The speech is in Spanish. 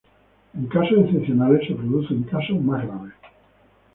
En casos excepcionales, se producen casos más graves.